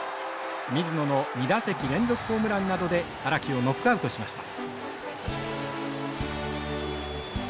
水野の２打席連続ホームランなどで荒木をノックアウトしました。